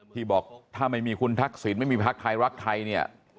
ที่บอกถ้าไม่มีคุณทักษิณไม่มีพักไทยรักไทยเนี่ย